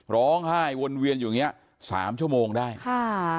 ร้องไห้วนเวียนอยู่อย่างเงี้ยสามชั่วโมงได้ค่ะ